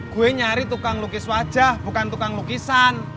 gue nyari tukang lukis wajah bukan tukang lukisan